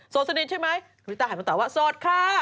โสดสนิทใช่ไหมลิต้าตอบว่าสดค่ะ